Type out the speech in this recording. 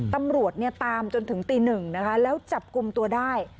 ตำรวจตามจนถึงตี๑แล้วจับกลุ่มตัวได้